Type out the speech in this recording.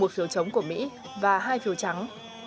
một phiếu chống của mỹ và hai phiếu trắng